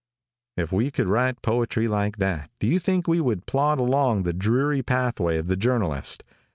= If we could write poetry like that, do you think we would plod along the dreary pathway of the journalist?